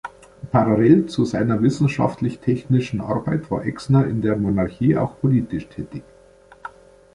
Parallel zu seiner wissenschaftlich-technischen Arbeit war Exner in der Monarchie auch politisch tätig.